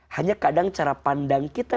hanya kadang cara pandang kita